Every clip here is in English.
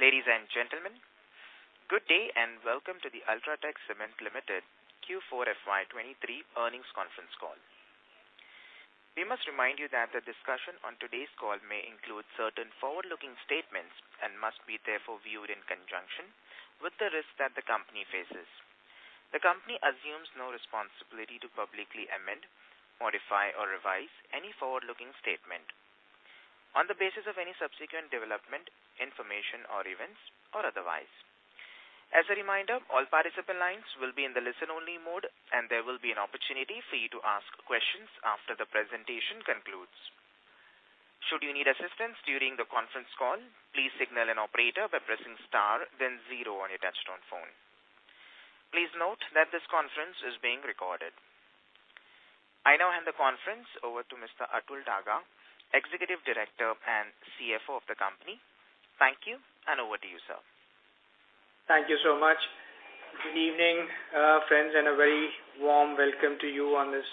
Ladies and gentlemen, good day and welcome to the UltraTech Cement Limited Q4 FY23 earnings conference call. We must remind you that the discussion on today's call may include certain forward-looking statements and must be therefore viewed in conjunction with the risks that the company faces. The company assumes no responsibility to publicly amend, modify or revise any forward-looking statement on the basis of any subsequent development, information or events or otherwise. As a reminder, all participant lines will be in the listen-only mode and there will be an opportunity for you to ask questions after the presentation concludes. Should you need assistance during the conference call, please signal an operator by pressing Star then Zero on your touchtone phone. Please note that this conference is being recorded. I now hand the conference over to Mr. Atul Daga, Executive Director and CFO of the company. Thank you and over to you, sir. Thank you so much. Good evening, friends and a very warm welcome to you on this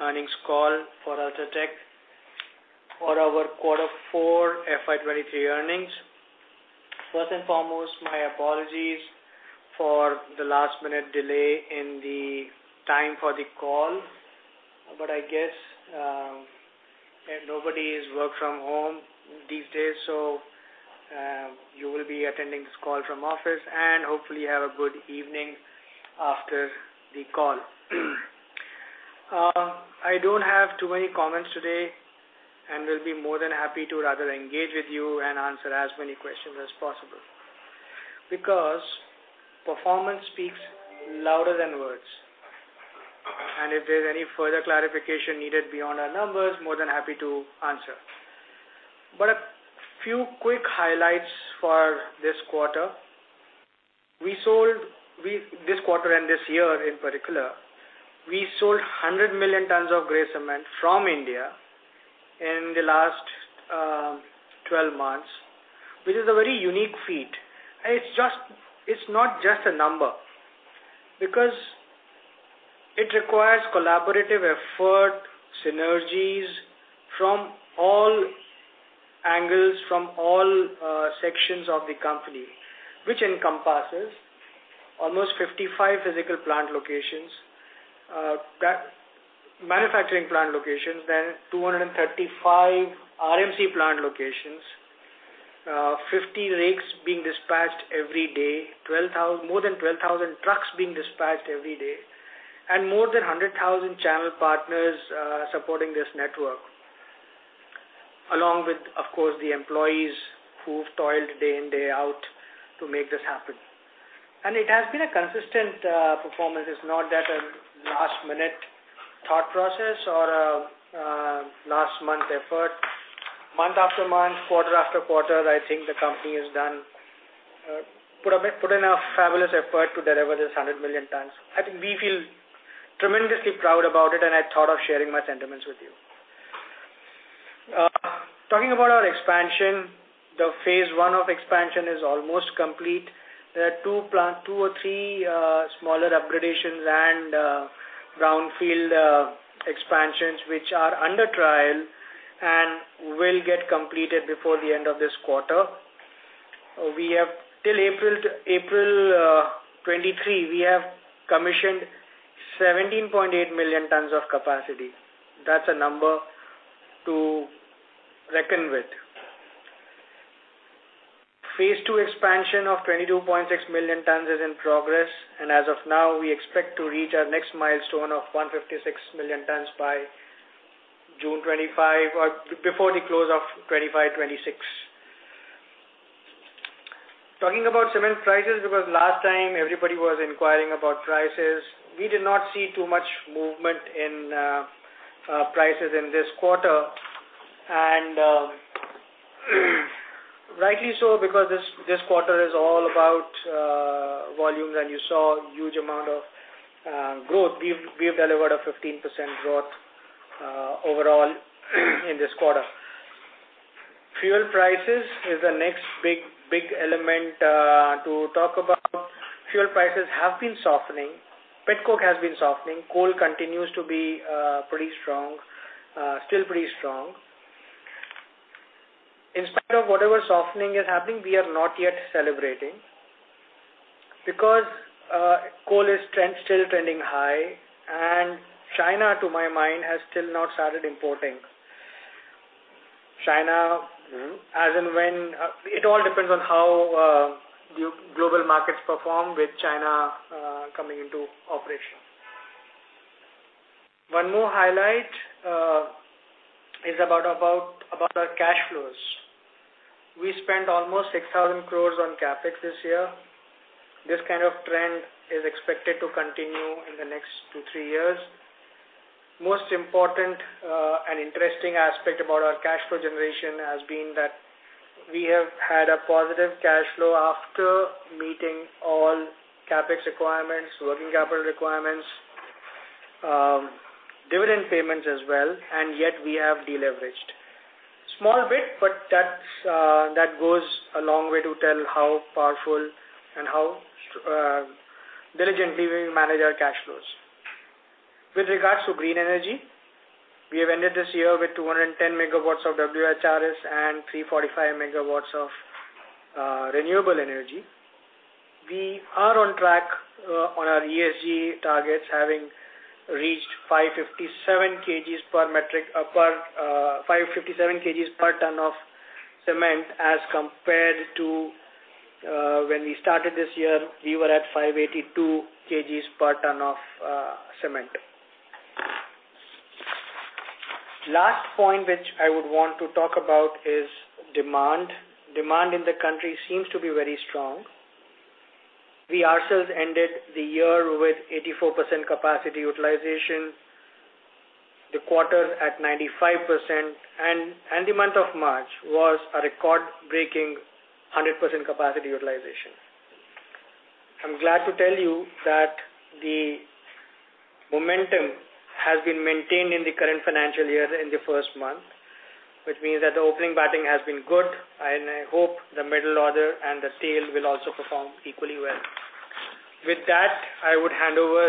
earnings call for UltraTech for our quarter four FY23 earnings. First and foremost, my apologies for the last minute delay in the time for the call, but I guess, nobody's work from home these days, so, you will be attending this call from office and hopefully have a good evening after the call. I don't have too many comments today, and will be more than happy to rather engage with you and answer as many questions as possible. Because performance speaks louder than words. If there's any further clarification needed beyond our numbers, more than happy to answer. A few quick highlights for this quarter. This quarter and this year in particular, we sold 100 million tons of gray cement from India in the last 12 months, which is a very unique feat. It's not just a number because it requires collaborative effort, synergies from all angles, from all sections of the company, which encompasses almost 55 physical plant locations, manufacturing plant locations, then 235 RMC plant locations, 50 rigs being dispatched every day, more than 12,000 trucks being dispatched every day, and more than 100,000 channel partners supporting this network. Along with, of course, the employees who've toiled day in, day out to make this happen. It has been a consistent performance. It's not that a last minute thought process or a last month effort. Month after month, quarter-after-quarter, I think the company has done, put in a fabulous effort to deliver this 100 million tons. I think we feel tremendously proud about it and I thought of sharing my sentiments with you. Talking about our expansion, the Phase I of expansion is almost complete. There are two or three smaller upgradations and brownfield expansions which are under trial and will get completed before the end of this quarter. We have till April 2023, we have commissioned 17.8 million tons of capacity. That's a number to reckon with. Phase II expansion of 22.6 million tons is in progress, as of now we expect to reach our next milestone of 156 million tons by June 2025 or before the close of 2025, 2026. Talking about cement prices, last time everybody was inquiring about prices. We did not see too much movement in prices in this quarter. Rightly so because this quarter is all about volumes and you saw huge amount of growth. We've delivered a 15% growth overall in this quarter. Fuel prices is the next big element to talk about. Fuel prices have been softening. Petcoke has been softening. Coal continues to be pretty strong, still pretty strong. In spite of whatever softening is happening, we are not yet celebrating because coal is still trending high and China, to my mind, has still not started importing. China as and when it all depends on how the global markets perform with China coming into operation. One more highlight is about our cash flows. We spent almost 6,000 crore on CapEx this year. This kind of trend is expected to continue in the next 2-3 years. Most important and interesting aspect about our cash flow generation has been that we have had a positive cash flow after meeting all CapEx requirements, working capital requirements, dividend payments as well, and yet we have deleveraged. Small bit, but that's, that goes a long way to tell how powerful and how diligently we manage our cash flows. With regards to green energy, we have ended this year with 210 megawatts of WHRs and 345 megawatts of renewable energy. We are on track on our ESG targets, having reached 557 kgs per ton of cement as compared to when we started this year, we were at 582 kgs per ton of cement. Last point which I would want to talk about is demand. Demand in the country seems to be very strong. We ourselves ended the year with 84% capacity utilization, the quarter at 95%. The month of March was a record-breaking 100% capacity utilization. I'm glad to tell you that the momentum has been maintained in the current financial year in the first month, which means that the opening batting has been good, and I hope the middle order and the tail will also perform equally well. With that, I would hand over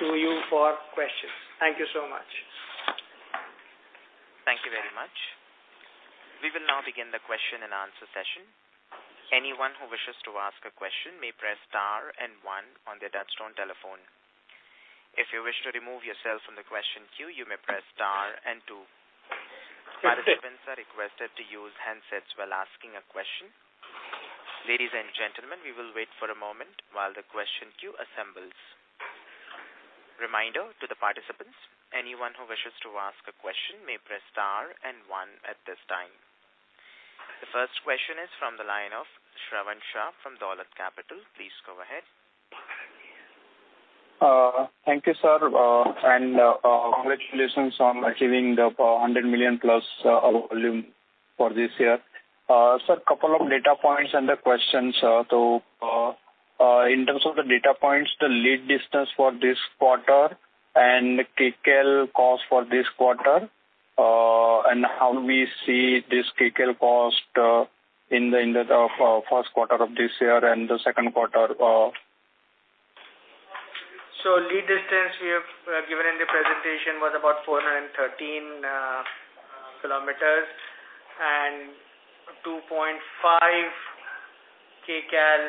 to you for questions. Thank you so much. Thank you very much. We will now begin the question-and-answer session. Anyone who wishes to ask a question may press star and one on their touchtone telephone. If you wish to remove yourself from the question queue, you may press star and two. Participants are requested to use handsets while asking a question. Ladies and gentlemen, we will wait for a moment while the question queue assembles. Reminder to the participants, anyone who wishes to ask a question may press star and one at this time. The first question is from the line of Shravan Shah from Dolat Capital. Please go ahead. Thank you, sir. Congratulations on achieving the 100 million plus volume for this year. Sir, a couple of data points and the questions. In terms of the data points, the lead distance for this quarter and Kcal cost for this quarter, and how do we see this Kcal cost in the Q1 of this year and the Q2? Lead distance we have given in the presentation was about 413 km and 2.5 kcal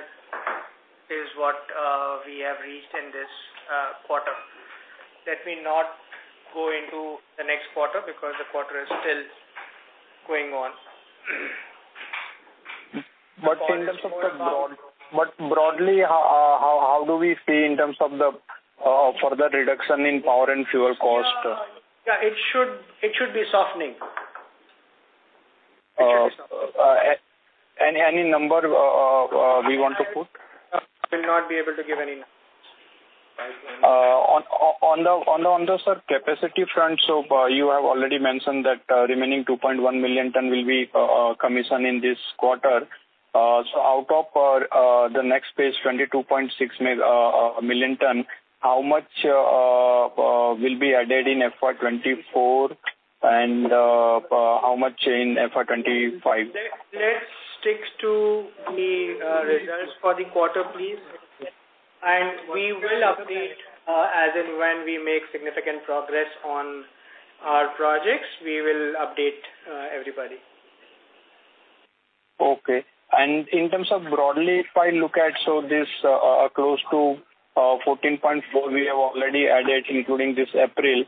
is what we have reached in this quarter. Let me not go into the next quarter because the quarter is still going on. Broadly, how do we see in terms of the further reduction in power and fuel cost? Yeah. Yeah. It should be softening. It should be softening. Any number, we want to put? Will not be able to give any numbers. On the capacity front, sir, you have already mentioned that remaining 2.1 million ton will be commissioned in this quarter. Out of the next phase, 22.6 million ton, how much will be added in FY24 and how much in FY25? Let's stick to the results for the quarter, please. We will update as and when we make significant progress on our projects, we will update everybody. Okay. In terms of broadly, if I look at, this close to 14.4 we have already added including this April.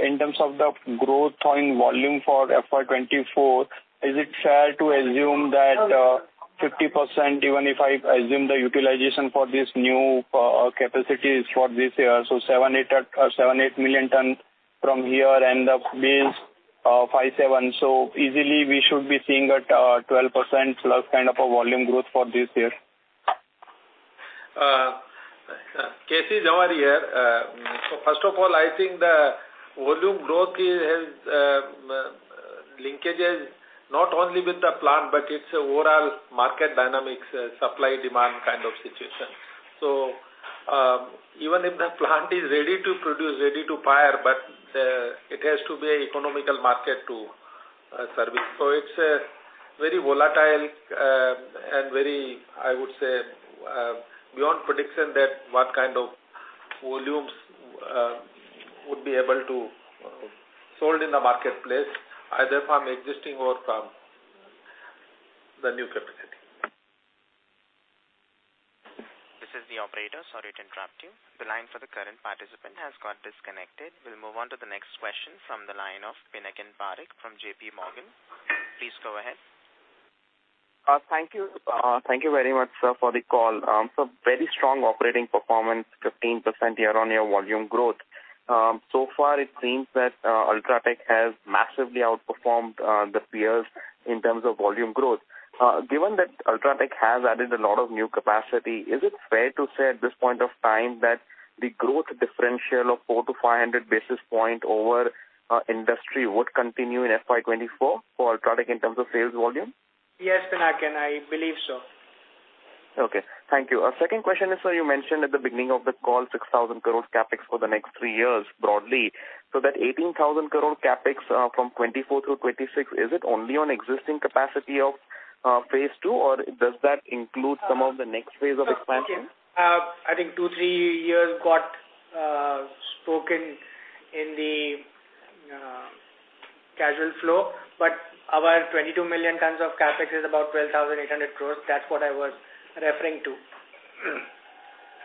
In terms of the growth on volume for FY24, is it fair to assume that 50% even if I assume the utilization for this new capacities for this year, 7-8 million tons from here and the base of 57? Easily we should be seeing at 12%+ kind of a volume growth for this year. K.C., it's our year. First of all, I think the volume growth is linkages not only with the plant, but it's overall market dynamics, supply demand kind of situation. Even if the plant is ready to produce, ready to fire, but it has to be economical market to service. It's a very volatile and very, I would say, beyond prediction that what kind of volumes would be able to sold in the marketplace, either from existing or from the new capacity. This is the operator. Sorry to interrupt you. The line for the current participant has got disconnected. We'll move on to the next question from the line of Pinakin Parekh from JPMorgan. Please go ahead. Thank you. Thank you very much, sir, for the call. Very strong operating performance, 15% year-on-year volume growth. So far it seems that UltraTech has massively outperformed the peers in terms of volume growth. Given that UltraTech has added a lot of new capacity, is it fair to say at this point of time that the growth differential of 400-500 basis point over industry would continue in FY24 for UltraTech in terms of sales volume? Yes, Pinakin, I believe so. Okay. Thank you. Second question is, sir, you mentioned at the beginning of the call 6,000 crore CapEx for the next three years broadly. That 18,000 crore CapEx from 2024-2026, is it only on existing capacity of Phase II, or does that include some of the next phase of expansion? Okay. I think two, three years got spoken in the cash flow, our 22 million tons of CapEx is about 12,800 crores. That's what I was referring to.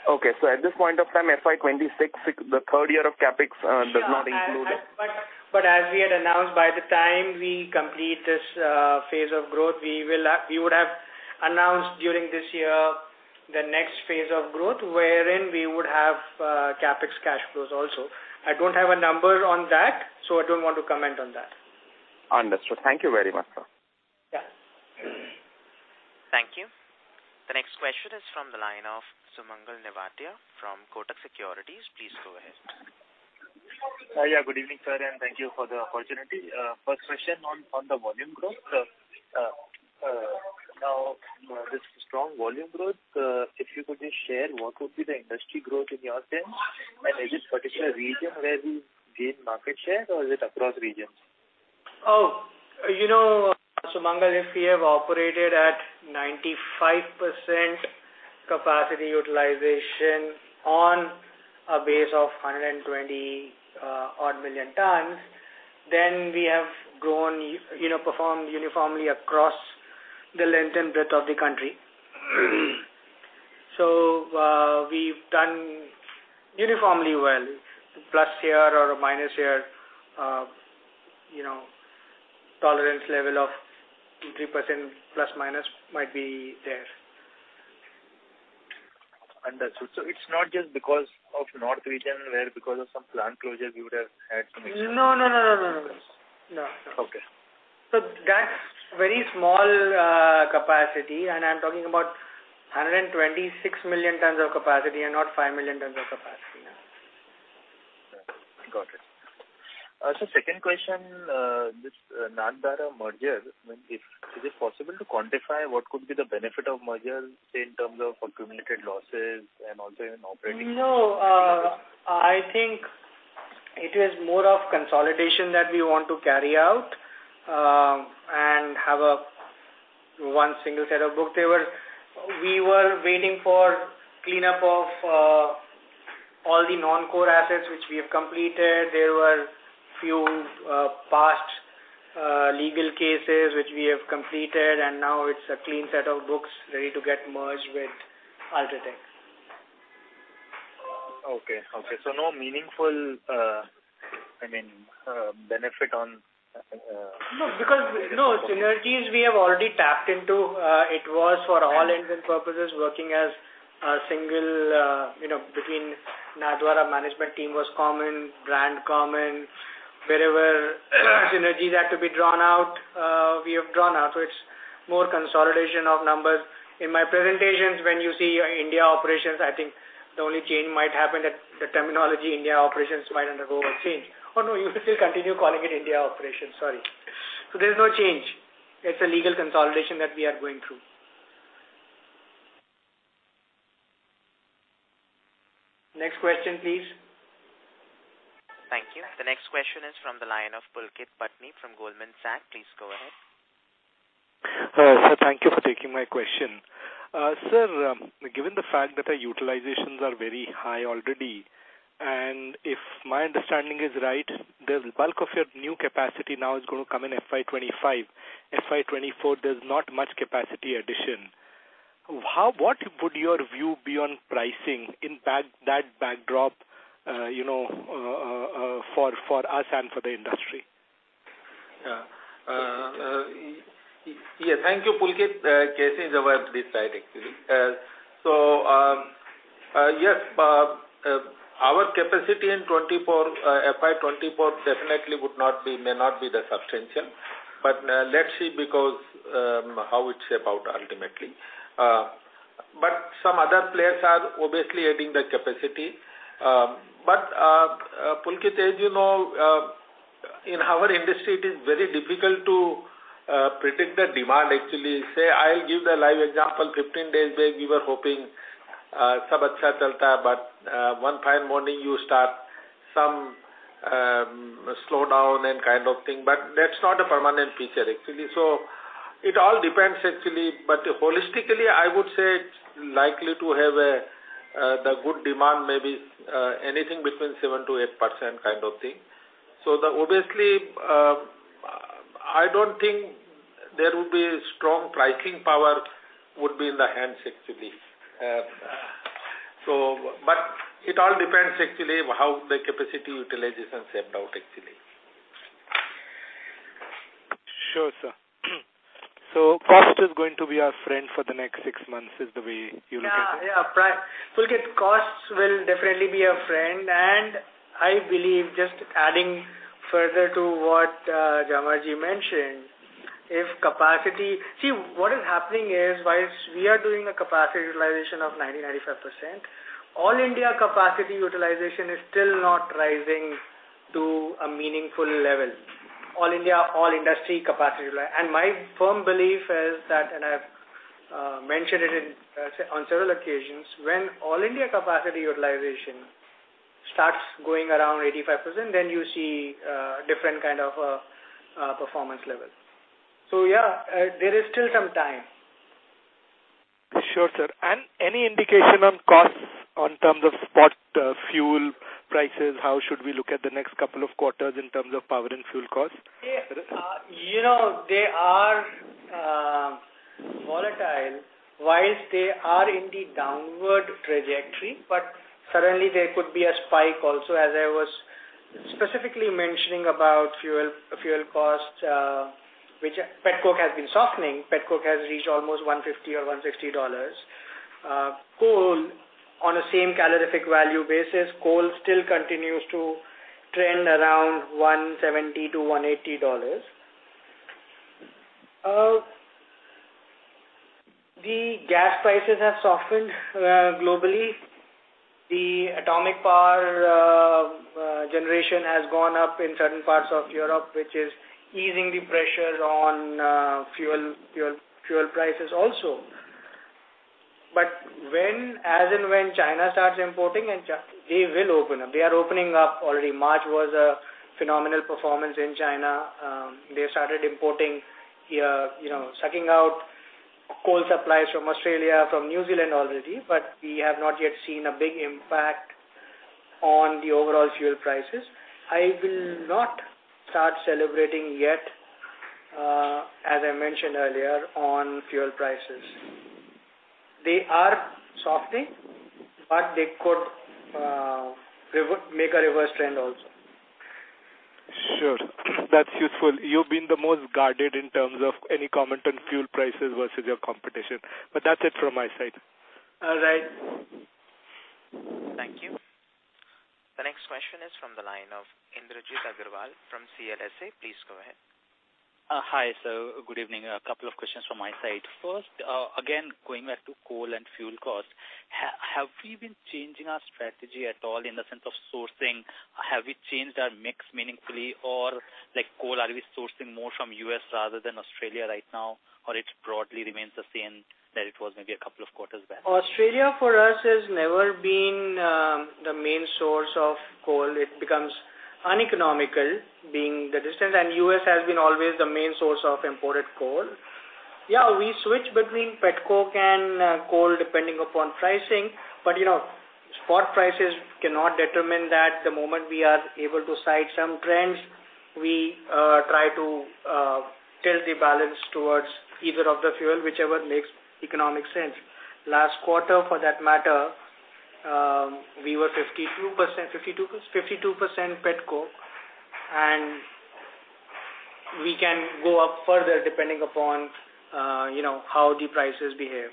Okay. At this point of time, FY26, the third year of CapEx, does not include it. As we had announced, by the time we complete this phase of growth, we would have announced during this year the next phase of growth wherein we would have CapEx cash flows also. I don't have a number on that, so I don't want to comment on that. Understood. Thank you very much, sir. Yeah. Thank you. The next question is from the line of Sumangal Nevatia from Kotak Securities. Please go ahead. Good evening, sir, and thank you for the opportunity. First question on the volume growth. Now, this strong volume growth, if you could just share what would be the industry growth in your sense, and is this particular region where we gain market share or is it across regions? You know, Sumangal, if we have operated at 95% capacity utilization on a base of 120 odd million tons, then we have grown, you know, performed uniformly across the length and breadth of the country. We've done uniformly well, plus here or minus here, you know, tolerance level of 3% ± might be there. Understood. It's not just because of north region where because of some plant closures you would have had some issues. No, no, no, no, no, no. No. Okay. That's very small capacity, and I'm talking about 126 million tons of capacity and not 5 million tons of capacity. Got it. Second question, this Nathdwara merger, is it possible to quantify what could be the benefit of merger, say, in terms of accumulated losses and also in operating-? No. I think it is more of consolidation that we want to carry out, and have a one single set of book. We were waiting for cleanup of all the non-core assets which we have completed. There were few past legal cases which we have completed, now it's a clean set of books ready to get merged with UltraTech. Okay. Okay. No meaningful, I mean, benefit on. No, because, you know, synergies we have already tapped into. It was for all intents and purposes working as a single, you know, between Nathdwara management team was common, brand common. Wherever synergies had to be drawn out, we have drawn out, so it's more consolidation of numbers. In my presentations, when you see India operations, I think the only change might happen at the terminology India operations might undergo a change. Oh, no, you will still continue calling it India operations. Sorry. There's no change. It's a legal consolidation that we are going through. Next question, please. Thank you. The next question is from the line of Pulkit Patni from Goldman Sachs. Please go ahead. Sir, thank you for taking my question. Sir, given the fact that our utilizations are very high already, and if my understanding is right, the bulk of your new capacity now is gonna come in FY25. FY24, there's not much capacity addition. What would your view be on pricing in that backdrop, you know, for us and for the industry? Yeah, thank you, Pulkit. KC is aware of this side actually. Yes, our capacity in 24, FY24 definitely would not be, may not be the substantial, but let's see because how it shape out ultimately. Some other players are obviously adding the capacity. Pulkit, as you know, in our industry, it is very difficult to predict the demand actually. Say, I'll give the live example. 15 days back, we were hoping, sab achcha chalta hai, but one fine morning you start some slowdown and kind of thing, but that's not a permanent feature actually. It all depends actually. Holistically, I would say it's likely to have a good demand may be anything between 7%-8% kind of thing. The obviously, I don't think there will be strong pricing power would be in the hands actually. But it all depends actually how the capacity utilization shaped out actually. Sure, sir. Cost is going to be our friend for the next six months is the way you look at it? Yeah, yeah. Pulkit, costs will definitely be our friend, and I believe just adding further to what Jhanwarji mentioned, if capacity... See, what is happening is whilst we are doing a capacity utilization of 90%, 95%, all India capacity utilization is still not rising to a meaningful level. All India, all industry capacity utilization. My firm belief is that, and I've mentioned it on several occasions, when all India capacity utilization starts going around 85%, then you see a different kind of performance level. Yeah, there is still some time. Sure, sir. Any indication on costs on terms of spot, fuel prices? How should we look at the next couple of quarters in terms of power and fuel costs? You know, they are volatile whilst they are in the downward trajectory, but suddenly there could be a spike also. As I was specifically mentioning about fuel costs, which Petcoke has been softening. Petcoke has reached almost $150 or $160. Coal on the same calorific value basis, coal still continues to trend around $170-$180. The gas prices have softened globally. The atomic power generation has gone up in certain parts of Europe, which is easing the pressure on fuel prices also. When, as and when China starts importing and they will open up. They are opening up already. March was a phenomenal performance in China. They have started importing, you know, sucking out coal supplies from Australia, from New Zealand already. We have not yet seen a big impact on the overall fuel prices. I will not start celebrating yet, as I mentioned earlier, on fuel prices. They are softening, but they could make a reverse trend also. Sure. That's useful. You've been the most guarded in terms of any comment on fuel prices versus your competition. That's it from my side. All right. Thank you. The next question is from the line of Indrajit Agarwal from CLSA. Please go ahead. Hi. Good evening. A couple of questions from my side. First, again, going back to coal and fuel costs. Have we been changing our strategy at all in the sense of sourcing? Have we changed our mix meaningfully or like coal, are we sourcing more from U.S. rather than Australia right now? It broadly remains the same that it was maybe a couple of quarters back. Australia for us has never been the main source of coal. It becomes uneconomical being the distance and US has been always the main source of imported coal. Yeah, we switch between petcoke and coal depending upon pricing. You know, spot prices cannot determine that. The moment we are able to cite some trends, we try to tilt the balance towards either of the fuel, whichever makes economic sense. Last quarter for that matter, we were 52% petcoke, and we can go up further depending upon, you know, how the prices behave.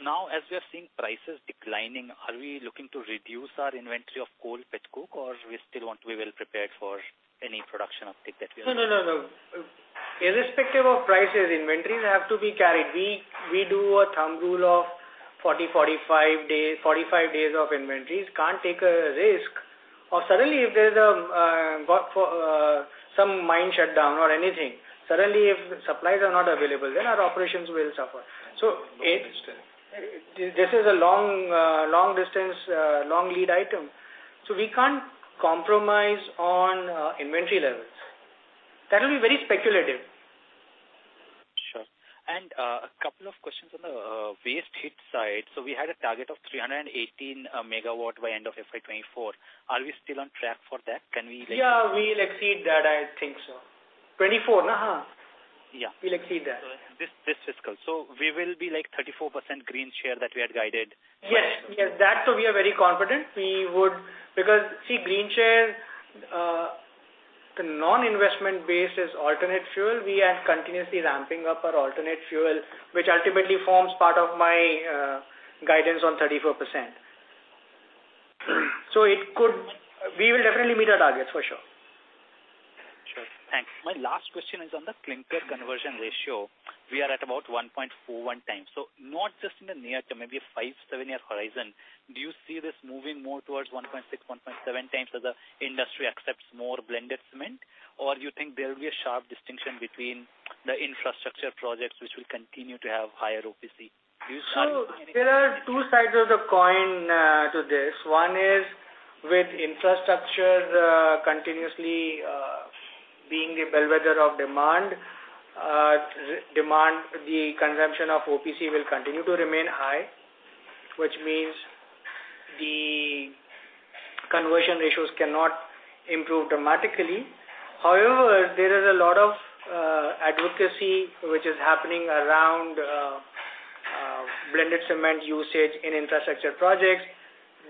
Now as we are seeing prices declining, are we looking to reduce our inventory of coal petcoke or we still want to be well prepared for any production uptick that we are? No, no, no. Irrespective of prices, inventories have to be carried. We do a thumb rule of 40-45 days of inventories. Can't take a risk. Suddenly if there's some mine shutdown or anything, suddenly if supplies are not available, then our operations will suffer. Interesting. This is a long, long-distance, long lead item, so we can't compromise on inventory levels. That will be very speculative. Sure. A couple of questions on the waste heat side. We had a target of 318 MW by end of FY24. Are we still on track for that? Can we like? Yeah, we'll exceed that, I think so. 24. Yeah. We'll exceed that. This fiscal. We will be like 34% green share that we had guided. Yes. Yes. We are very confident we would because see green share, the non-investment base is alternate fuel. We are continuously ramping up our alternate fuel, which ultimately forms part of my guidance on 34%. We will definitely meet our targets for sure. Sure. Thanks. My last question is on the clinker conversion ratio. We are at about 1.41 times. Not just in the near term, maybe a five, seven-year horizon. Do you see this moving more towards 1.6, 1.7 times as the industry accepts more blended cement? Do you think there will be a sharp distinction between the infrastructure projects which will continue to have higher OPC? Do you see any- There are two sides of the coin to this. One is with infrastructure continuously being the bellwether of demand, the consumption of OPC will continue to remain high, which means the conversion ratios cannot improve dramatically. However, there is a lot of advocacy which is happening around blended cement usage in infrastructure projects.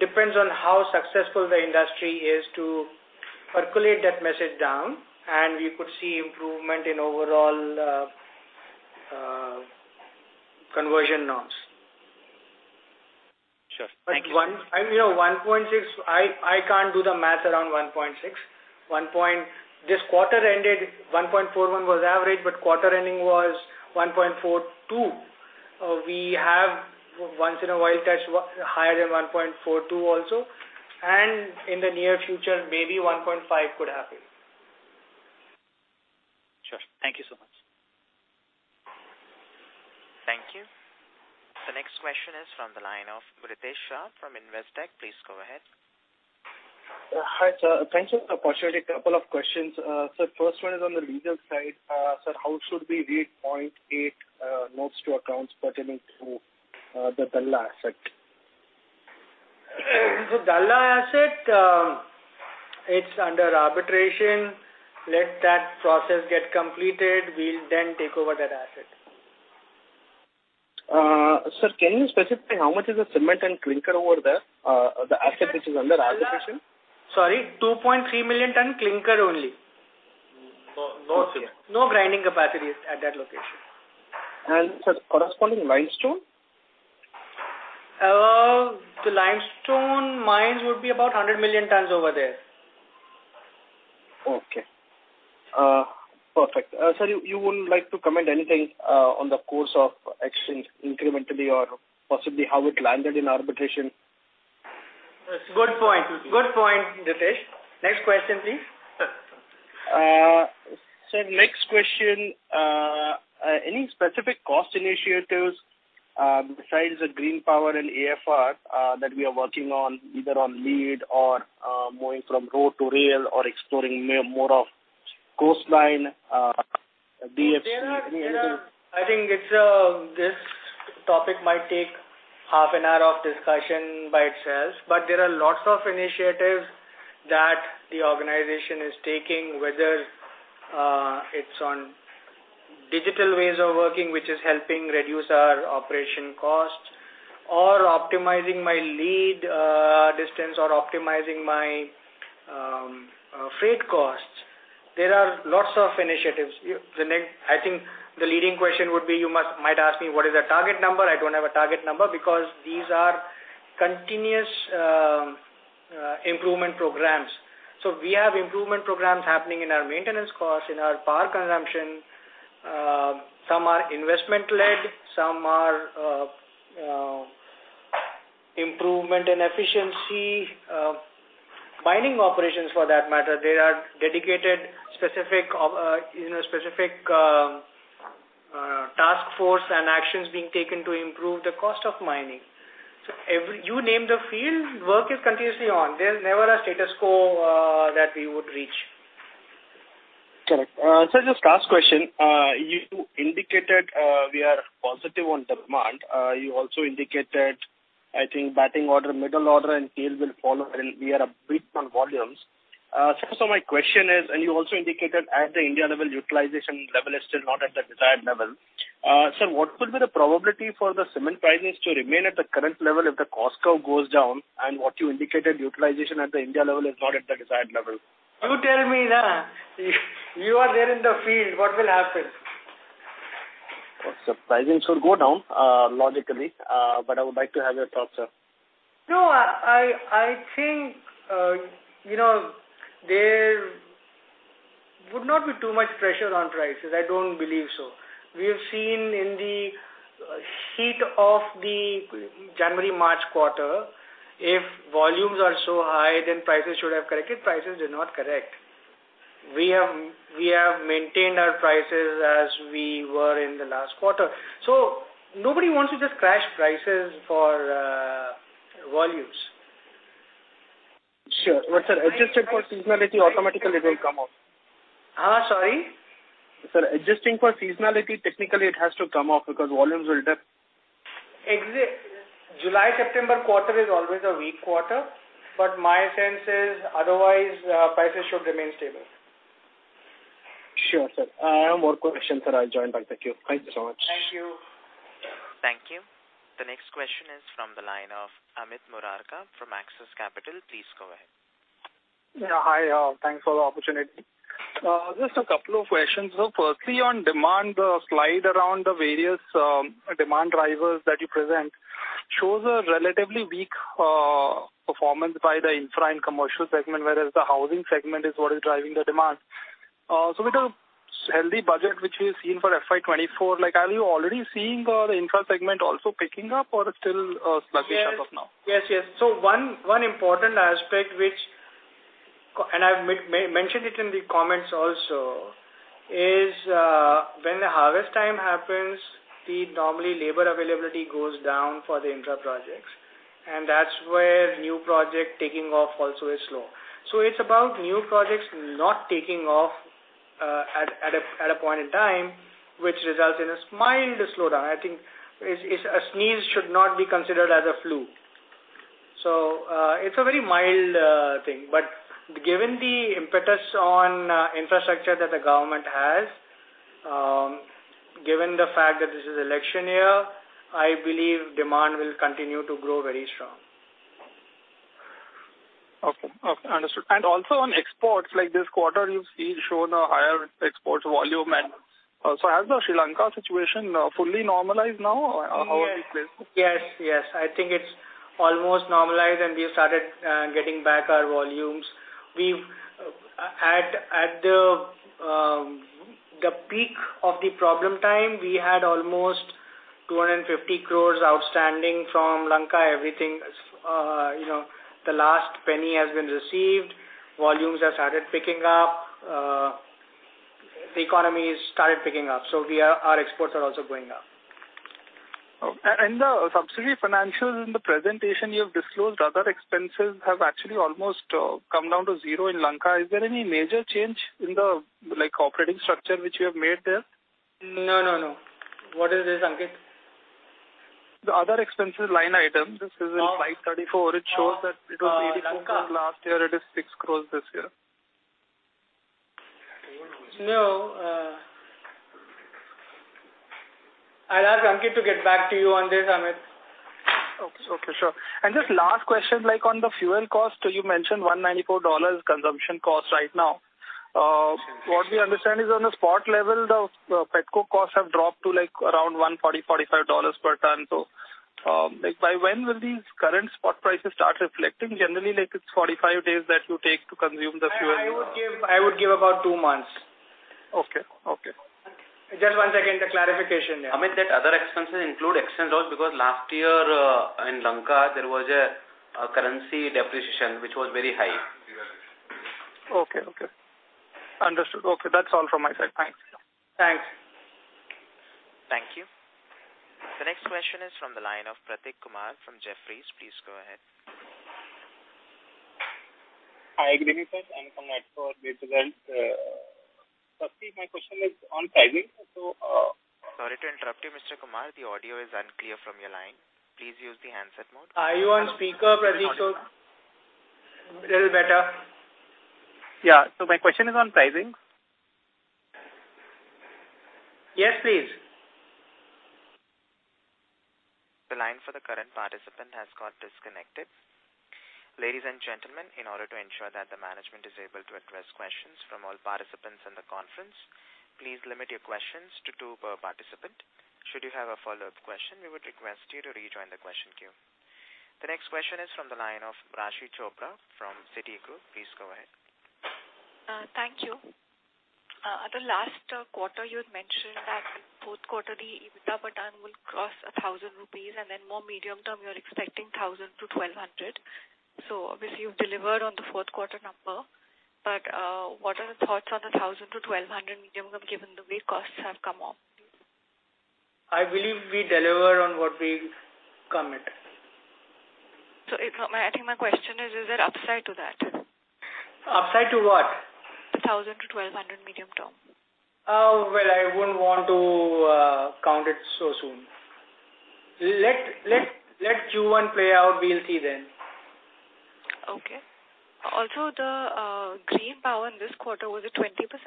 Depends on how successful the industry is to percolate that message down, and we could see improvement in overall conversion norms. Sure. Thank you. One, and you know, 1.6, I can't do the math around 1.6. This quarter ended, 1.41 was average, but quarter ending was 1.42. We have once in a while touched higher than 1.42 also, and in the near future maybe 1.5 could happen. Sure. Thank you so much. Thank you. The next question is from the line of Ritesh Shah from Investec. Please go ahead. Hi, sir. Thanks for the opportunity. A couple of questions. First one is on the legal side. Sir, how should we read point 8 notes to accounts pertaining to the Dalla asset? Dalla asset, it's under arbitration. Let that process get completed. We'll then take over that asset. Sir, can you specify how much is the cement and clinker over there? The asset which is under arbitration? Sorry, 2.3 million ton clinker only. No, no cement. No grinding capacity is at that location. Sir, corresponding limestone? The limestone mines would be about 100 million tons over there. Okay. perfect. sir, you wouldn't like to comment anything on the course of action incrementally or possibly how it landed in arbitration? It's a good point. Good point, Ritesh. Next question, please. Sir, next question. Any specific cost initiatives, besides the green power and AFR, that we are working on, either on lead or, moving from road to rail or exploring more of coastline? There are. I think it's this topic might take half an hour of discussion by itself. There are lots of initiatives that the organization is taking, whether it's on digital ways of working, which is helping reduce our operation costs or optimizing my lead distance or optimizing my freight costs. There are lots of initiatives. I think the leading question would be, you must, might ask me what is the target number. I don't have a target number because these are continuous improvement programs. We have improvement programs happening in our maintenance costs, in our power consumption. Some are investment-led, some are improvement in efficiency. Mining operations for that matter, there are dedicated specific, you know, specific task force and actions being taken to improve the cost of mining. Every, you name the field, work is continuously on. There's never a status quo that we would reach. Correct. Sir, just last question. You indicated, we are positive on demand. You also indicated, I think batting order, middle order and tail will follow and we are upbeat on volumes. Sir, my question is, and you also indicated at the India level, utilization level is still not at the desired level. Sir, what will be the probability for the cement prices to remain at the current level if the cost curve goes down and what you indicated, utilization at the India level is not at the desired level? You tell me now. You are there in the field, what will happen? Prices should go down, logically. I would like to have your thoughts, sir. No, I think, you know, there would not be too much pressure on prices. I don't believe so. We have seen in the heat of the January-March quarter, if volumes are so high, then prices should have corrected. Prices did not correct. We have maintained our prices as we were in the last quarter. Nobody wants to just crash prices for volumes. Sure. Sir, adjusted for seasonality, automatically it will come up. Sorry? Sir, adjusting for seasonality, technically it has to come up because volumes will dip. July-September quarter is always a weak quarter, but my sense is otherwise, prices should remain stable. Sure, sir. I have more questions, sir. I'll join back. Thank you. Thank you so much. Thank you. Thank you. The next question is from the line of Amit Murarka from Axis Capital. Please go ahead. Yeah. Hi. Thanks for the opportunity. Just a couple of questions. Firstly, on demand, the slide around the various demand drivers that you present shows a relatively weak performance by the infra and commercial segment, whereas the housing segment is what is driving the demand. With a healthy budget which we've seen for FY24, are you already seeing the infra segment also picking up or still sluggish as of now? Yes. Yes. One important aspect which I've mentioned it in the comments also, is when the harvest time happens, the normally labor availability goes down for the infra projects. That's where new project taking off also is slow. It's about new projects not taking off at a point in time, which results in a mild slowdown. I think it's, a sneeze should not be considered as a flu. It's a very mild thing. Given the impetus on infrastructure that the government has, given the fact that this is election year, I believe demand will continue to grow very strong. Okay. Understood. Also on exports, like this quarter you've seen, shown a higher exports volume and also has the Sri Lanka situation, fully normalized now or how are we placed? Yes. Yes. I think it's almost normalized and we have started, getting back our volumes. We've at the peak of the problem time, we had almost 250 crores outstanding from Lanka. Everything, you know, the last penny has been received. Volumes have started picking up. The economy's started picking up. Our exports are also going up. The subsidy financials in the presentation you have disclosed, other expenses have actually almost come down to 0 in Lanka. Is there any major change in the, like, operating structure which you have made there? No, no. What is this, Ankit? The other expenses line item. This is in slide 34. It shows that it was 84 last year. It is 6 crores this year. No. I'll ask Ankit to get back to you on this, Amit. Okay. Okay. Sure. Just last question, like, on the fuel cost, you mentioned $194 consumption cost right now. What we understand is on the spot level, the Petcoke costs have dropped to, like, around $140-$145 per ton. Like, by when will these current spot prices start reflecting? Generally, like, it's 45 days that you take to consume the fuel. I would give about 2 months. Okay. Okay. Just one second. The clarification there. Amit, that other expenses include exchange loss because last year, in Lanka there was a currency depreciation which was very high. Okay. Understood. Okay. That's all from my side. Thanks. Thanks. Thank you. The next question is from the line of Prateek Kumar from Jefferies. Please go ahead. Hi, good evening, sir. I'm from result. Pratik, my question is on pricing. Sorry to interrupt you, Mr. Kumar. The audio is unclear from your line. Please use the handset mode. Are you on speaker, Prateek? A little better. Yeah. My question is on pricing. Yes, please. The line for the current participant has got disconnected. Ladies and gentlemen, in order to ensure that the management is able to address questions from all participants in the conference, please limit your questions to two per participant. Should you have a follow-up question, we would request you to rejoin the question queue. The next question is from the line of Raashi Chopra from Citigroup. Please go ahead. Thank you. At the last quarter, you had mentioned that fourth quarterly EBITDA per ton will cross 1,000 rupees, and then more medium term, you're expecting 1,000-1,200. Obviously you've delivered on the Q4 number. What are the thoughts on the 1,000-1,200 medium term, given the way costs have come up? I believe we deliver on what we commit. I think my question is there upside to that? Upside to what? The 1,000 to 1,200 medium term. I wouldn't want to count it so soon. Let Q1 play out. We'll see then. Okay. Also, the green power in this quarter, was it 20%? 15%.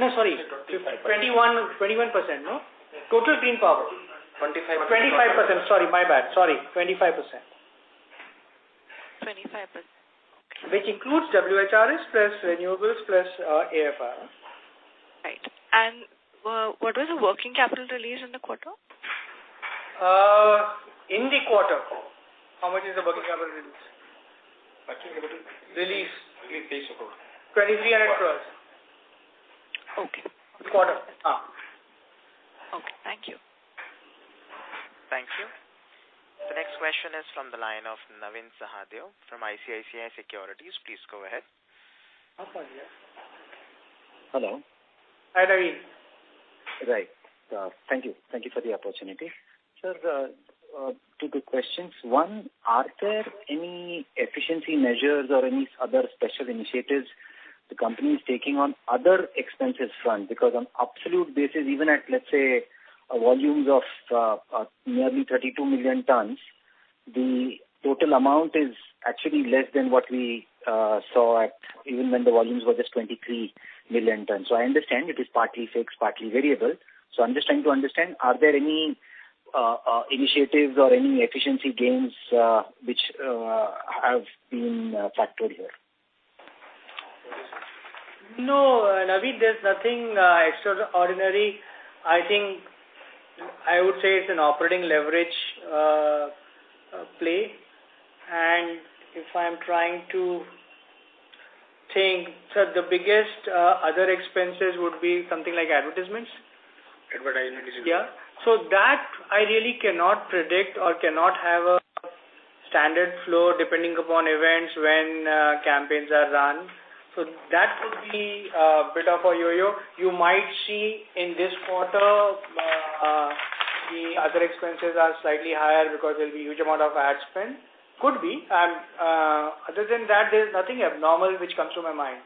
No, sorry. 21%, no? Total green power. 25%. 25%. Sorry, my bad. 25%. 25%. Okay. Which includes WHRs plus renewables plus AFR. Right. What was the working capital release in the quarter? In the quarter, how much is the working capital release? Working capital. Release. Release INR 23 crores. Okay. Quarter. Okay. Thank you. Thank you. The next question is from the line of Navin Sahadeo from ICICI Securities. Please go ahead. Sahadeo. Hello. Hi, Naveen. Right. Thank you. Thank you for the opportunity. Sir, two quick questions. One, are there any efficiency measures or any other special initiatives the company is taking on other expenses front? Because on absolute basis, even at, let's say, volumes of, nearly 32 million tons, the total amount is actually less than what we, saw at even when the volumes were just 23 million tons. I understand it is partly fixed, partly variable. I'm just trying to understand, are there any, initiatives or any efficiency gains, which, have been factored here? No, Navin, there's nothing extraordinary. I think, I would say it's an operating leverage play. If I'm trying to think, sir, the biggest other expenses would be something like advertisements. Advertising. Yeah. That I really cannot predict or cannot have a standard flow depending upon events when campaigns are run. That could be a bit of a yo-yo. You might see in this quarter, the other expenses are slightly higher because there'll be huge amount of ad spend. Could be. Other than that, there's nothing abnormal which comes to my mind.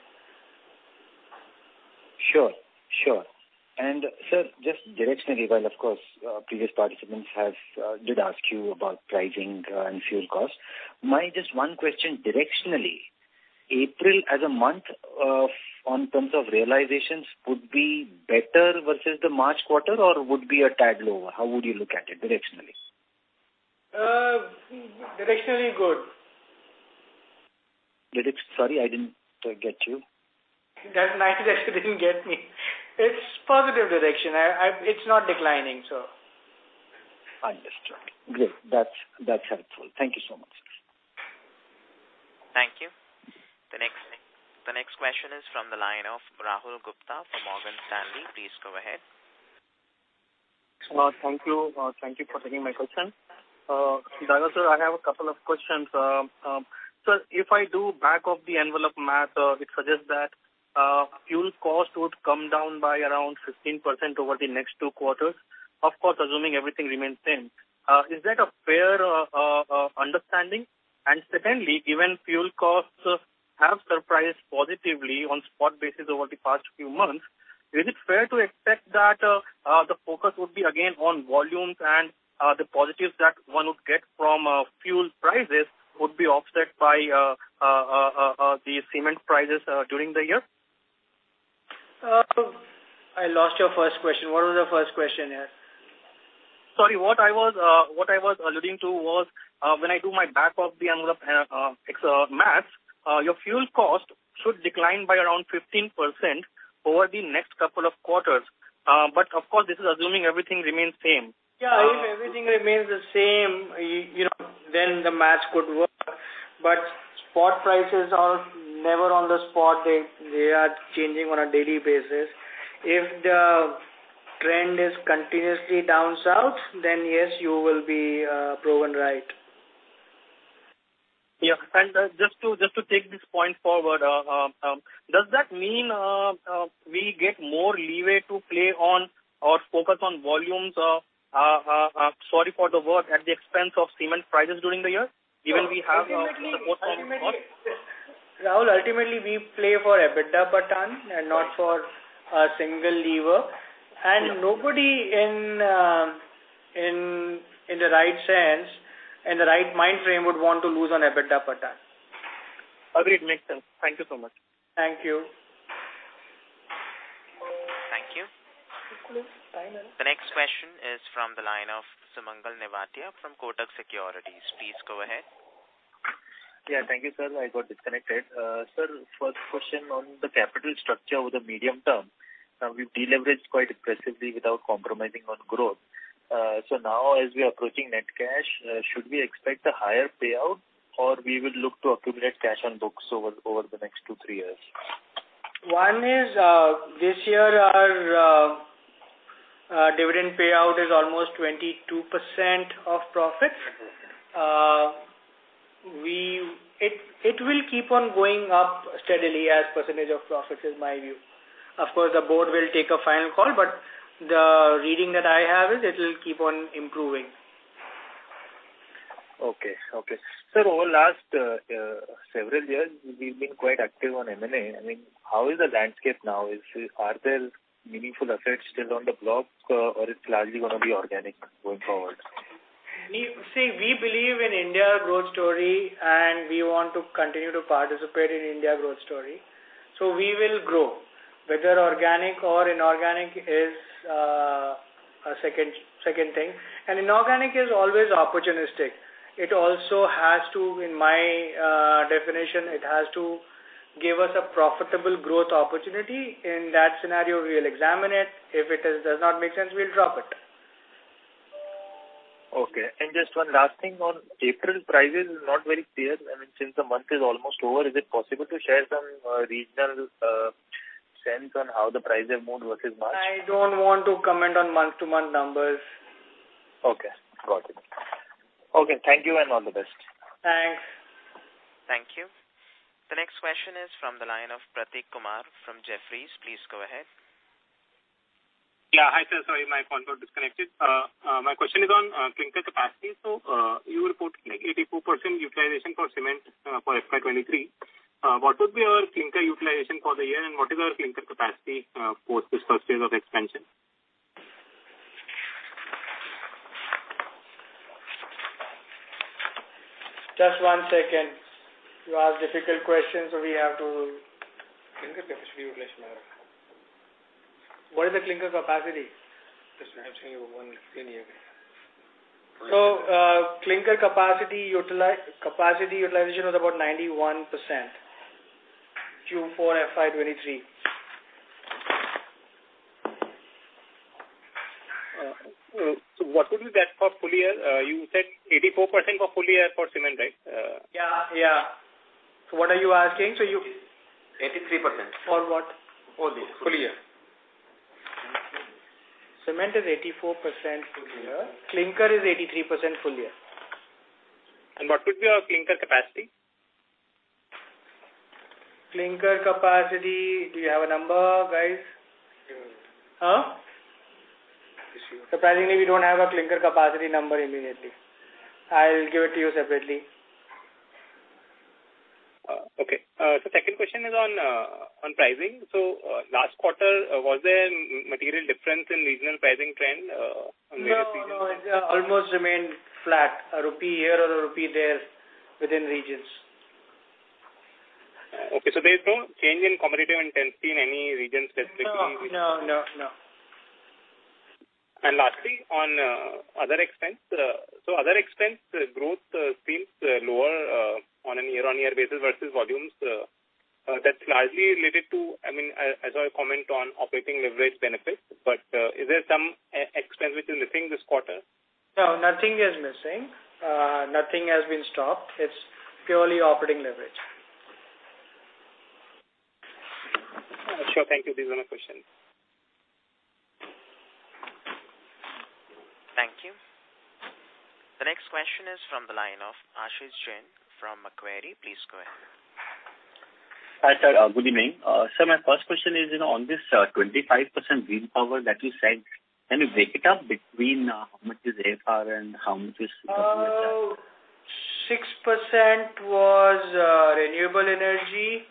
Sure. Sure. Sir, just directionally, well, of course, previous participants have did ask you about pricing and fuel costs. My just one question, directionally, April as a month, on terms of realizations would be better versus the March quarter or would be a tad lower? How would you look at it directionally? Directionally good. Sorry, I didn't get you. That's nice that you didn't get me. It's positive direction. It's not declining, so. Understood. Great. That's helpful. Thank you so much. Thank you. The next question is from the line of Rahul Gupta from Morgan Stanley. Please go ahead. Thank you. Thank you for taking my question. Uncertain, sir, I have a couple of questions. If I do back of the envelope math, it suggests that fuel cost would come down by around 15% over the next two quarters, of course, assuming everything remains same. Is that a fair understanding? Secondly, given fuel costs have surprised positively on spot basis over the past few months, is it fair to expect that the focus would be again on volumes and the positives that one would get from fuel prices would be offset by the cement prices during the year? I lost your first question. What was the first question here? Sorry. What I was alluding to was, when I do my back of the envelope, math, your fuel cost should decline by around 15% over the next two quarters. Of course, this is assuming everything remains same. Yeah. If everything remains the same, you know, then the math could work. Spot prices are never on the spot. They are changing on a daily basis. If the trend is continuously down south, then yes, you will be proven right. Yeah. Just to take this point forward, does that mean we get more leeway to play on or focus on volumes, sorry for the word, at the expense of cement prices during the year, even we have support? No. Ultimately, ultimately Rahul, ultimately we play for EBITDA per ton and not for a single lever. Nobody in the right sense and the right mind frame would want to lose on EBITDA per ton. Agreed. Makes sense. Thank you so much. Thank you. Thank you. Thank you. Bye now. The next question is from the line of Sumangal Nevatia from Kotak Securities. Please go ahead. Yeah. Thank you, sir. I got disconnected. Sir, first question on the capital structure over the medium term. Now, we've deleveraged quite aggressively without compromising on growth. Now as we're approaching net cash, should we expect a higher payout or we will look to accumulate cash on books over the next two, three years? One is, this year our, dividend payout is almost 22% of profits. It will keep on going up steadily as percentage of profits is my view. Of course, the board will take a final call, but the reading that I have is it will keep on improving. Okay. Okay. Sir, over last several years, we've been quite active on M&A. I mean, how is the landscape now? Are there meaningful assets still on the block, or it's largely gonna be organic going forward? See, we believe in India growth story, and we want to continue to participate in India growth story. We will grow. Whether organic or inorganic is a second thing. Inorganic is always opportunistic. It also has to, in my definition, it has to give us a profitable growth opportunity. In that scenario, we'll examine it. If it is, does not make sense, we'll drop it. Okay. Just one last thing on April prices is not very clear. I mean, since the month is almost over, is it possible to share some regional sense on how the prices have moved versus March? I don't want to comment on month-to-month numbers. Okay. Got it. Okay. Thank you and all the best. Thanks. Thank you. The next question is from the line of Prateek Kumar from Jefferies. Please go ahead. Hi, sir. Sorry, my phone got disconnected. My question is on clinker capacity. You reported like 84% utilization for cement for FY23. What would be your clinker utilization for the year, and what is your clinker capacity post this first phase of expansion? Just one second. You ask difficult questions, so we have to... Clinker capacity utilization. What is the clinker capacity? Just answering one linear. Clinker capacity utilization was about 91%, Q4 FY23. What would be that for full year? You said 84% for full year for cement, right? Yeah. Yeah. What are you asking? 83%. For what? Full year. Cement is 84% full year. Clinker is 83% full year. What would be your clinker capacity? Clinker capacity. Do you have a number, guys? Give me a minute. Huh? Just give. Surprisingly, we don't have a clinker capacity number immediately. I'll give it to you separately. Okay. Second question is on pricing. Last quarter, was there material difference in regional pricing trend on various regions? No, no. It almost remained flat. A rupee here or a rupee there within regions. Okay. There's no change in competitive intensity in any region specifically? No. No. No. No. Lastly, on other expense. Other expense, growth seems lower on an year-on-year basis versus volumes. That's largely related to, I mean, as I comment on operating leverage benefits. Is there some expense which is missing this quarter? No, nothing is missing. Nothing has been stopped. It's purely operating leverage. Sure. Thank you. These are my questions. Thank you. The next question is from the line of Ashish Jain from Macquarie. Please go ahead. Hi, sir. Good evening. Sir, my first question is, you know, on this, 25% green power that you said, can you break it up between, how much is AFR and how much is government side? 6% was renewable energy,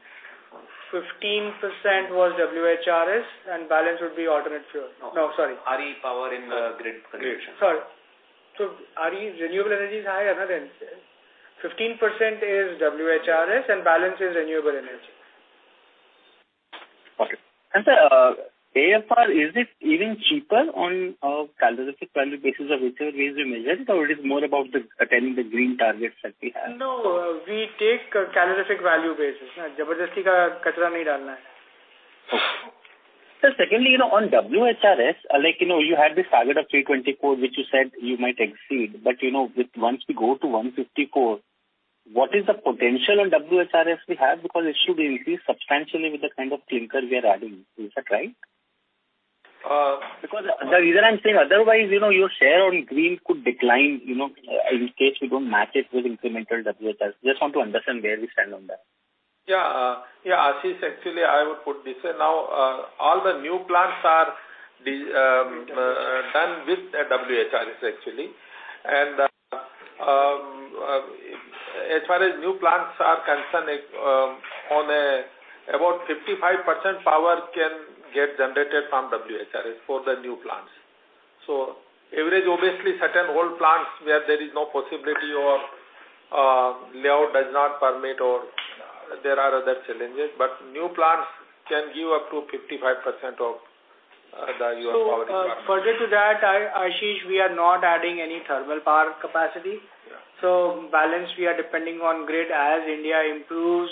15% was WHRS, and balance would be alternate fuel. No, sorry. RE power in the grid connection. Grid. Sorry. RE, renewable energy is high, another 15% is WHRS and balance is renewable energy. Okay. sir, AFR, is it even cheaper on a calorific value basis or whichever ways we measure it, or it is more about the attending the green targets that we have? No, we take a calorific value basis. Okay. Sir, secondly, you know, on WHRS, like, you know, you had this target of 324, which you said you might exceed, but you know, with once we go to 154, what is the potential on WHRS we have? It should increase substantially with the kind of clinker we are adding. Is that right? Uh. The reason I'm saying otherwise, you know, your share on green could decline, you know, in case we don't match it with incremental WHRS. Just want to understand where we stand on that. Yeah. Yeah, Ashish, actually, I would put this way. Now, all the new plants are done with the WHRS actually. As far as new plants are concerned, on about 55% power can get generated from WHRS for the new plants. Average, obviously, certain old plants where there is no possibility or layout does not permit or there are other challenges, but new plants can give up to 55% of the your power requirement. Further to that, Ashish, we are not adding any thermal power capacity. Yeah. Balance we are depending on grid. As India improves,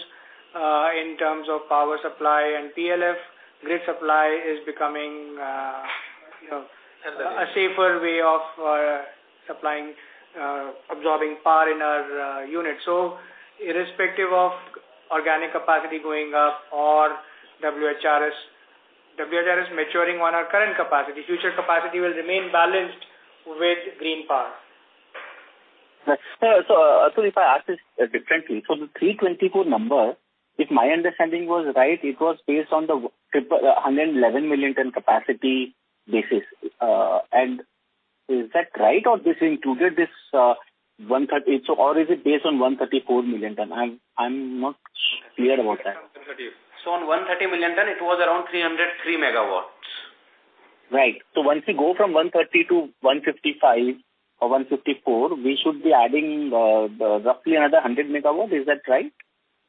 in terms of power supply and PLF, grid supply is becoming, you know, a safer way of supplying, absorbing power in our units. Irrespective of organic capacity going up or WHRS maturing on our current capacity, future capacity will remain balanced with green power. Right. If I ask this differently, the 324 number, if my understanding was right, it was based on the triple, 111 million ton capacity basis. Is that right or this included this, 130? Or is it based on 134 million ton? I'm not clear about that. On 130 million ton, it was around 303 megawatts. Right. Once we go from 130 to 155 or 154, we should be adding, roughly another 100 megawatts. Is that right?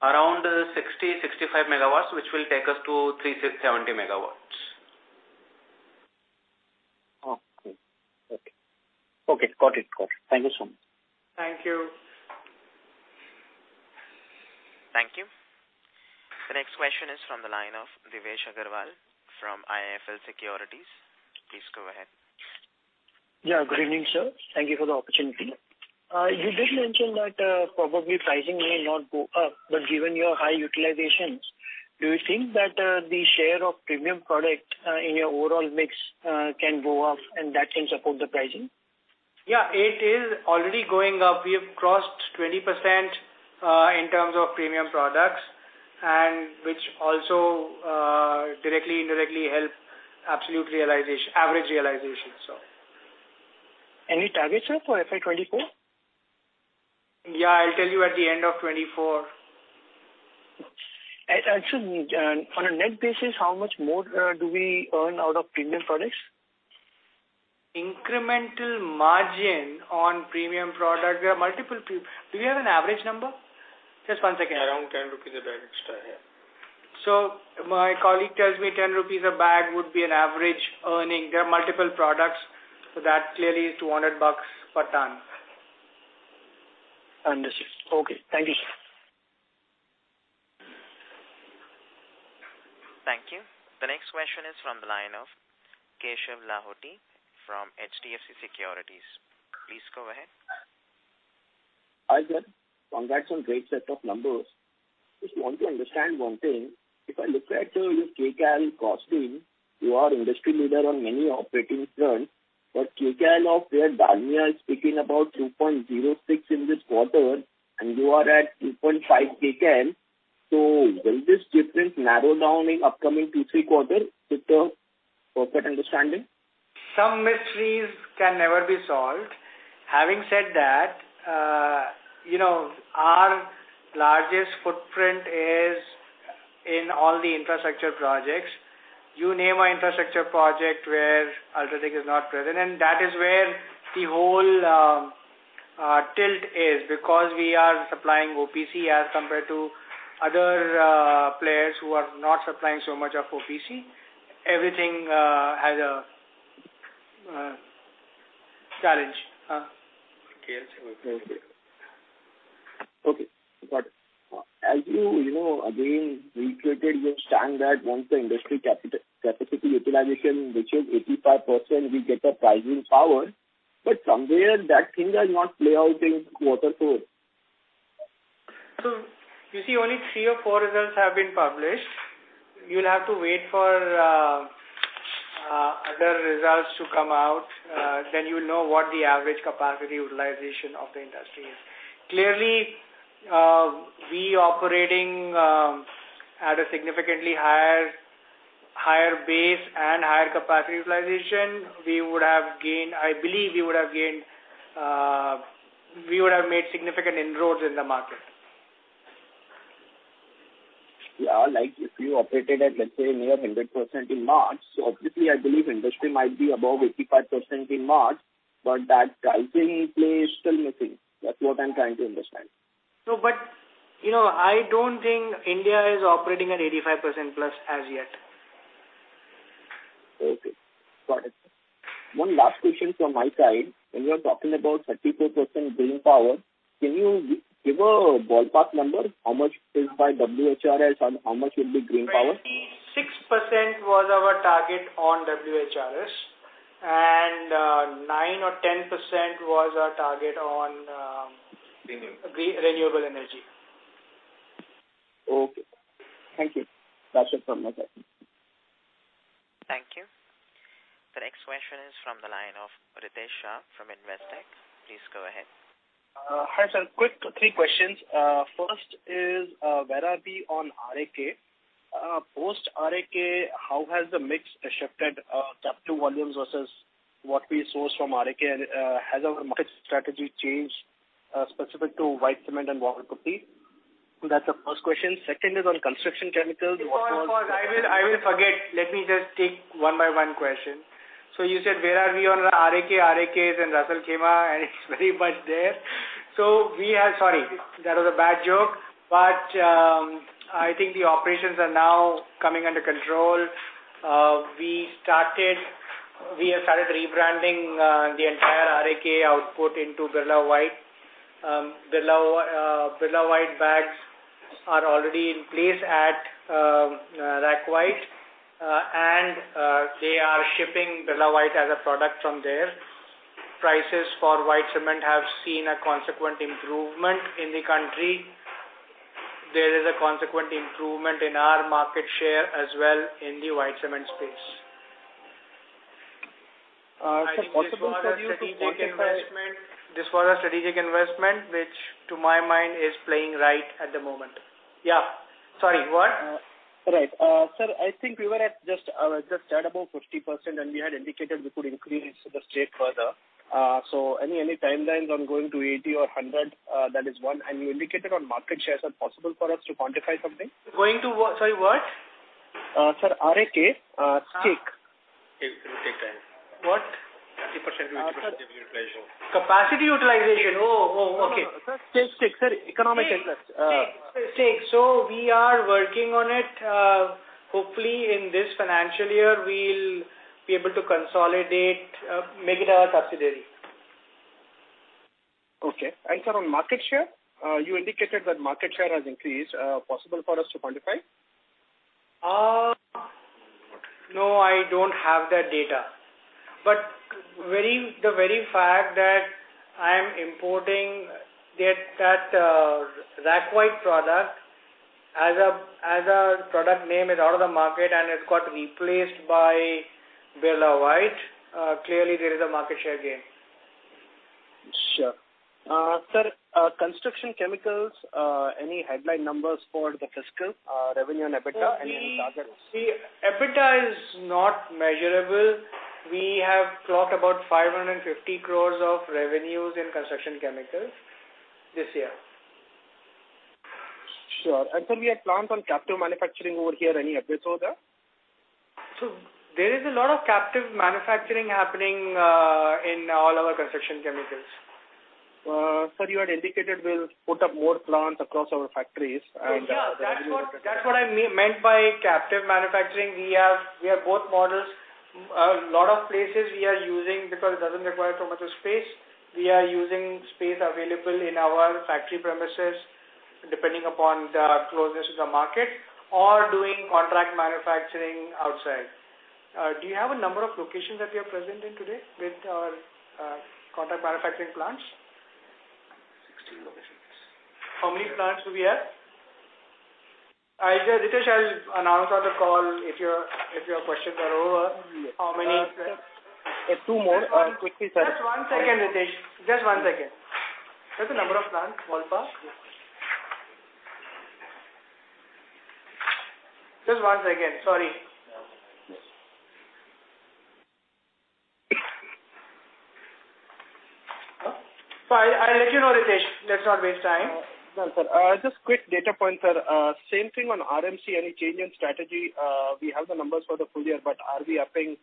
Around 60-65 megawatts, which will take us to 360-370 megawatts. Okay. Got it. Thank you so much. Thank you. Thank you. The next question is from the line of Devesh Agarwal from IIFL Securities. Please go ahead. Good evening, sir. Thank you for the opportunity. You did mention that, probably pricing may not go up, but given your high utilizations, do you think that, the share of premium product, in your overall mix, can go up and that can support the pricing? Yeah, it is already going up. We have crossed 20% in terms of premium products and which also directly, indirectly help absolute realization, average realization. Any targets, sir, for FY24? Yeah, I'll tell you at the end of 2024. Actually, on a net basis, how much more do we earn out of premium products? Incremental margin on premium product. There are multiple. Do we have an average number? Just 1 second. Around 10 rupees a bag, sir, yeah. My colleague tells me 10 rupees a bag would be an average earning. There are multiple products, that clearly is INR 200 per ton. Understood. Okay. Thank you. Thank you. The next question is from the line of Keshav Lahoti from HDFC Securities. Please go ahead. Hi, sir. Congrats on great set of numbers. Just want to understand one thing. If I look at your kcal costing, you are industry leader on many operating fronts, but kcal of where Dalmia is speaking about 2.06 in this quarter and you are at 2.5 kcal. Will this difference narrow down in upcoming two, three quarter with the perfect understanding? Some mysteries can never be solved. Having said that, you know, our largest footprint is in all the infrastructure projects. You name an infrastructure project where UltraTech is not present, and that is where the whole tilt is because we are supplying OPC as compared to other players who are not supplying so much of OPC. Everything has a challenge. Okay. Got it. As you know, again reiterated, you stand that once the industry capacity utilization reaches 85%, we get a pricing power. Somewhere that things are not play out in quarter four. You see only three or four results have been published. You'll have to wait for other results to come out, then you'll know what the average capacity utilization of the industry is. Clearly, we operating at a significantly higher base and higher capacity utilization, I believe we would have gained, we would have made significant inroads in the market. Like, if you operated at, let's say near 100% in March, so obviously I believe industry might be above 85% in March, but that pricing play is still missing. That's what I'm trying to understand. No, you know, I don't think India is operating at 85% plus as yet. Okay. Got it. One last question from my side. When you are talking about 34% green power, can you give a ballpark number, how much is by WHRS, how much will be green power? 26% was our target on WHRS and, 9 or 10% was our target on. Renew. renewable energy. Okay. Thank you. That's it from my side. Thank you. The next question is from the line of Ritesh Shah from Investec. Please go ahead. Hi, sir. Quick three questions. First is, where are we on RAK? Post RAK, how has the mix shifted, captive volumes versus what we source from RAK? Has our market strategy changed, specific to white cement and wall putty? That's the first question. Second is on Construction Chemicals. Before I forget, let me just take one by one question. You said, where are we on RAK? RAK is in Ras Al Khaimah, and it's very much there. We are. Sorry, that was a bad joke. I think the operations are now coming under control. We have started rebranding the entire RAK output into Birla White. Birla White bags are already in place at RAK White. They are shipping Birla White as a product from there. Prices for white cement have seen a consequent improvement in the country. There is a consequent improvement in our market share as well in the white cement space. Sir, possible for you to quantify? This was a strategic investment, which to my mind is playing right at the moment. Yeah. Sorry, what? Right. sir, I think we were at just at about 50%, and we had indicated we could increase the stake further. so any timelines on going to 80 or 100? that is one. You indicated on market shares. Is it possible for us to quantify something? Going to what? Sorry, what? sir, RAK, stake. What? 30% capacity utilization. Capacity utilization. Oh, okay. No, no. Sir, stake. Sir, economic interest. Stake. We are working on it. Hopefully in this financial year we'll be able to consolidate, make it our subsidiary. Okay. Sir, on market share, you indicated that market share has increased. Possible for us to quantify? No, I don't have that data. The very fact that I'm importing that, RAK White product as a, as a product name is out of the market and it got replaced by Birla White, clearly there is a market share gain. Sure. Sir, Construction Chemicals, any headline numbers for the fiscal, revenue and EBITDA and targets? The EBITDA is not measurable. We have clocked about 550 crores of revenues in Construction Chemicals this year. Sure. Sir, we had plans on captive manufacturing over here. Any updates over there? There is a lot of captive manufacturing happening, in all our Construction Chemicals. sir, you had indicated we'll put up more plants across our factories. Yeah. That's what I meant by captive manufacturing. We have both models. A lot of places we are using because it doesn't require too much space. We are using space available in our factory premises, depending upon the closeness to the market or doing contract manufacturing outside. Do you have a number of locations that we are present in today with our contract manufacturing plants? 16 locations. How many plants do we have? Ritesh, I'll announce on the call if your questions are over. How many plants? 2 more. Quickly, sir. Just one second, Ritesh. Just one second. Sir, the number of plants ballpark? Yes. Just one second. Sorry. I'll let you know, Ritesh. Let's not waste time. No, sir. just quick data point, sir. same thing on RMC. Any change in strategy? we have the numbers for the full year, but are we upping.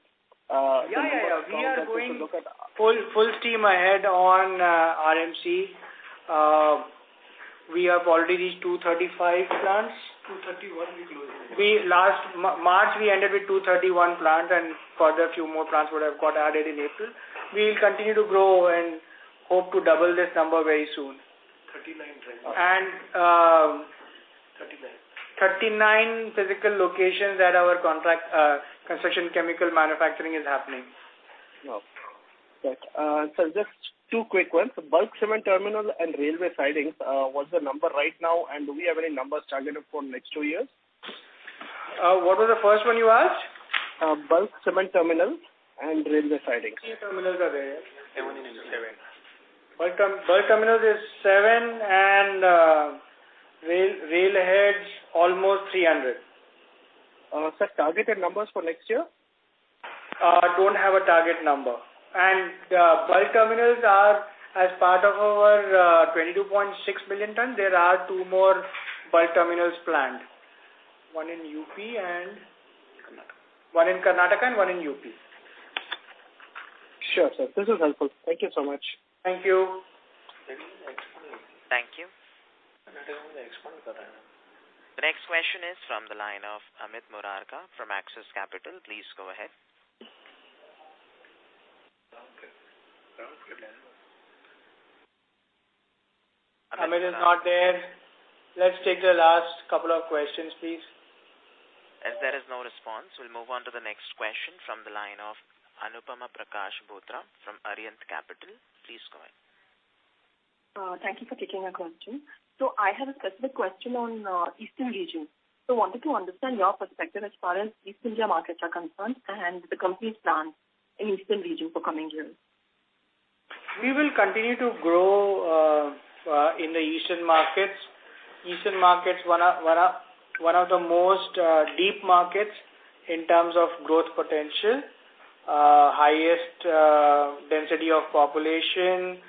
Yeah, yeah. We are going full steam ahead on RMC. We have already 235 plants. 231 we closed. Last March, we ended with 231 plants and further a few more plants would have got added in April. We'll continue to grow and hope to double this number very soon. 39 plants. 39 physical locations that our contract, Construction Chemicals manufacturing is happening. Wow. Okay. Just two quick ones. Bulk cement terminal and railway sidings, what's the number right now, and do we have any numbers targeted for next two years? What was the first one you asked? Bulk cement terminal and railway sidings. How many terminals are there? Seven. Bulk terminal is 7 and railheads almost 300. sir, targeted numbers for next year. Don't have a target number. Bulk terminals are as part of our 22.6 million tons. There are 2 more bulk terminals planned. One in UP. Karnataka. One in Karnataka and one in UP. Sure, sir. This is helpful. Thank you so much. Thank you. Thank you. The next question is from the line of Amit Murarka from Axis Capital. Please go ahead. Amit is not there. Let's take the last couple of questions, please. As there is no response, we'll move on to the next question from the line of Anupama Prakash Bothra from Arihant Capital. Please go ahead. Thank you for taking my question. I have a specific question on Eastern region. Wanted to understand your perspective as far as East India markets are concerned and the company's plans in Eastern region for coming years. We will continue to grow in the Eastern markets. Eastern markets one of the most deep markets in terms of growth potential. Highest density of population,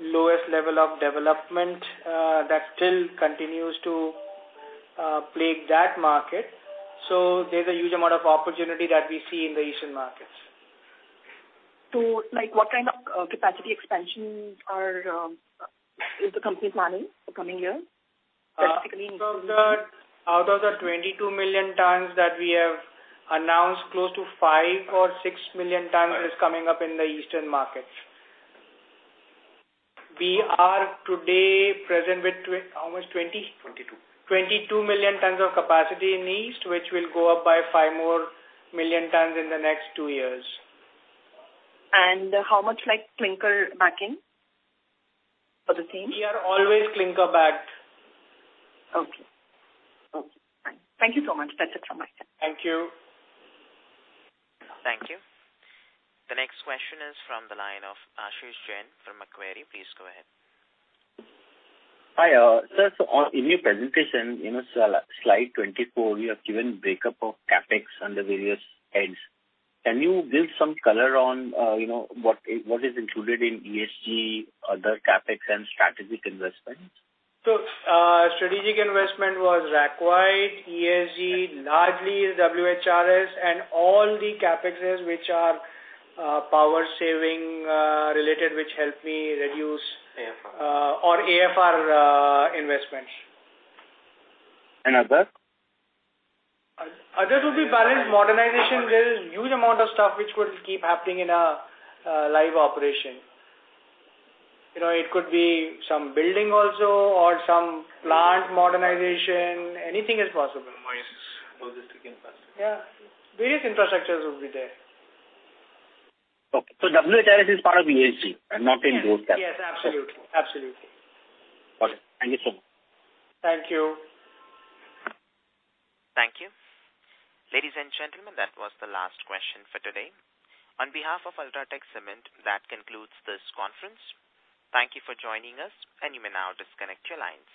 lowest level of development, that still continues to plague that market. So there's a huge amount of opportunity that we see in the Eastern markets. Like, what kind of capacity expansion is the company planning for coming year, specifically in Eastern? Out of the 22 million tons that we have announced, close to 5 or 6 million tons is coming up in the Eastern markets. We are today present with how much? 20? Twenty-two. 22 million tons of capacity in East, which will go up by 5 million tons in the next 2 years. How much, like, clinker backing for the same? We are always clinker-backed. Okay. Okay, fine. Thank you so much. That's it from my side. Thank you. Thank you. The next question is from the line of Ashish Jain from Macquarie. Please go ahead. Hi, sir. In your presentation, you know, slide 24, you have given break up of CapEx under various heads. Can you give some color on, you know, what is included in ESG, other CapEx and strategic investments? Strategic investment was RAK White, ESG, largely WHRS and all the CapExes which are, power saving, related, which help me reduce. AFR. or AFR, investments. Other? Others will be balanced modernization. There is huge amount of stuff which will keep happening in a live operation. You know, it could be some building also or some plant modernization. Anything is possible. Logistics infrastructure. Yeah. Various infrastructures will be there. Okay. WHRS is part of ESG and not in both CapEx. Yes. Yes. Absolutely. Absolutely. Got it. Thank you so much. Thank you. Thank you. Ladies and gentlemen, that was the last question for today. On behalf of UltraTech Cement, that concludes this conference. Thank you for joining us, and you may now disconnect your lines.